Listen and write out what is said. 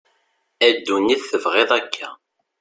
a dunit tebγiḍ akka